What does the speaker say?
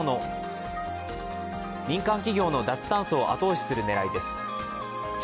民間企業の脱炭素を後押しする狙いです。